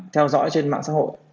theo dõi trên mạng xã hội